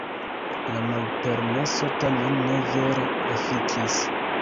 La malpermeso tamen ne vere efikis.